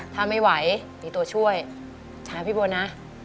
ถ้าไม่ไหวมีตัวช่วยถามพี่บัวนะ